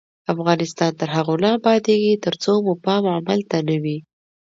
افغانستان تر هغو نه ابادیږي، ترڅو مو پام عمل ته نه وي.